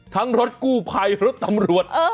ทั้งรถกู้ไภรถตำรวจ